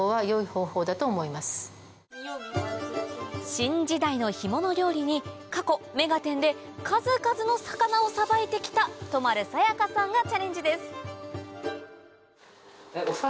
新時代の干物料理に過去『目がテン！』で数々の魚をさばいて来た都丸紗也華さんがチャレンジです